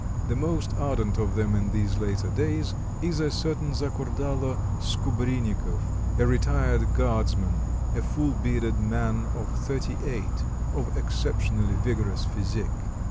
The most ardent of them in these later days is a certain Zakurdalo Skubrinikov, a retired guardsman, a full bearded man of thirty eight, of exceptionally vigorous physique.